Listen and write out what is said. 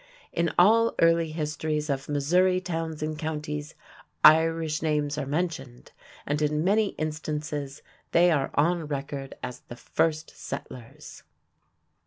In all early histories of Missouri towns and counties, Irish names are mentioned, and in many instances they are on record as "the first settlers."